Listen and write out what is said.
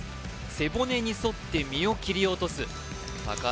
背骨に沿って身を切り落とす高橋